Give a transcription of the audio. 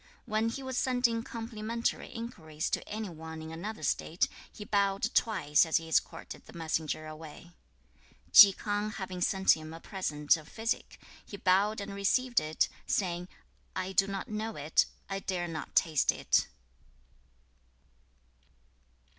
When he was sending complimentary inquiries to any one in another State, he bowed twice as he escorted the messenger away. 2. Chi K'ang having sent him a present of physic, he bowed and received it, saying, 'I do not know it. I dare not taste it.'